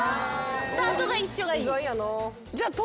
スタートが一緒がいい。